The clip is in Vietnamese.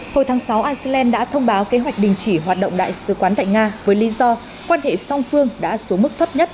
hồi tháng sáu iceland đã thông báo kế hoạch đình chỉ hoạt động đại sứ quán tại nga với lý do quan hệ song phương đã xuống mức thấp nhất